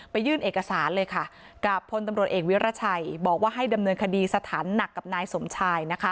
ยื่นเอกสารเลยค่ะกับพลตำรวจเอกวิรัชัยบอกว่าให้ดำเนินคดีสถานหนักกับนายสมชายนะคะ